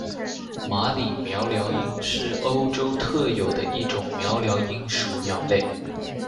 马里鹋鹩莺是澳洲特有的一种鹋鹩莺属鸟类。